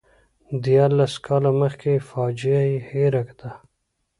دیارلس کاله مخکې فاجعه یې هېره ده.